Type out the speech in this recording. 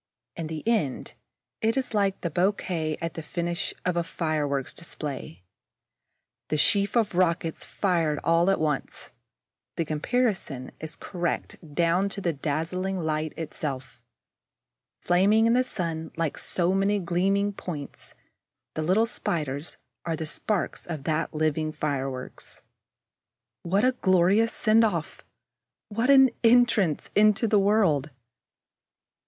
In the end, it is like the bouquet at the finish of a fireworks display, the sheaf of rockets fired all at once. The comparison is correct down to the dazzling light itself. Flaming in the sun like so many gleaming points, the little Spiders are the sparks of that living fireworks. What a glorious send off! What an entrance into the world!